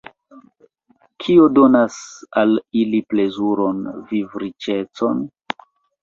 Kio donas al ili plezuron, vivriĉecon?